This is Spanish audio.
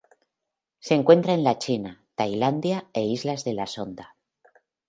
Se encuentra en la China, Tailandia e Islas de la Sonda.